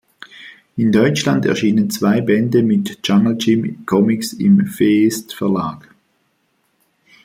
In Deutschland erschienen zwei Bände mit "Jungle-Jim"-Comics im Feest-Verlag.